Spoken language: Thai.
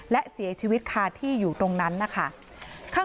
และเสียชีวิตคาที่อยู่ตรงนั้นนะคะ